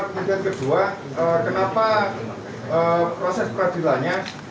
kemudian kedua kenapa proses peradilannya